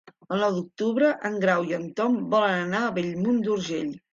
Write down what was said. El nou d'octubre en Grau i en Tom volen anar a Bellmunt d'Urgell.